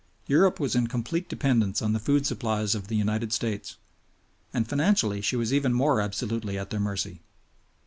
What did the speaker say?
Europe was in complete dependence on the food supplies of the United States; and financially she was even more absolutely at their mercy.